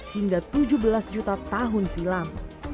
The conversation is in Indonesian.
lima belas hingga tujuh belas juta tahun silam